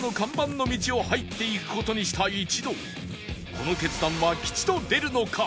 この決断は吉と出るのか？